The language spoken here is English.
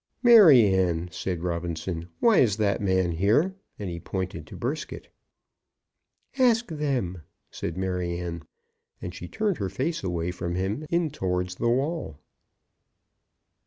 "Maryanne," said Robinson, "why is that man here?" and he pointed to Brisket. "Ask them," said Maryanne, and she turned her face away from him, in towards the wall.